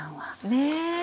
ねえ。